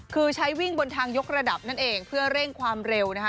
คือใช้วิ่งบนทางยกระดับนั่นเองเพื่อเร่งความเร็วนะคะ